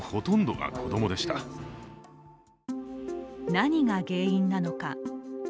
何が原因なのか。